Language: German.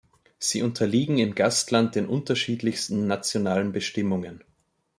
Sie unterliegen im Gastland den unterschiedlichsten nationalen Bestimmungen.